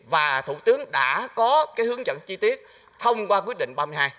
và thủ tướng đã có hướng dẫn chi tiết thông qua quyết định ba mươi hai